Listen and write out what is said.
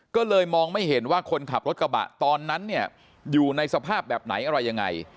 ก็เลยมองไม่เห็นว่าคนขับรถกระบะตอนนั้นเนี่ยอยู่ในสภาพแบบไหนอะไรยังไง